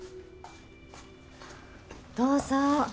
どうぞ。